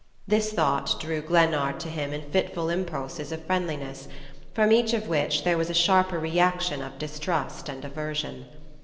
This thought drew Glennard to him in fitful impulses of friendliness, from each of which there was a sharper reaction of distrust and aversion.